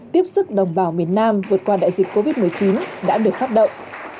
tiếp sức đồng bào miền nam vượt qua đại dịch covid một mươi chín đã được phát động